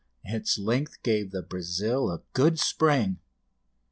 its length gave the "Brazil" a good spring.